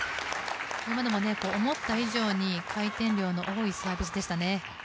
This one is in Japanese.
今のも思った以上に回転量の多いサービスでしたね。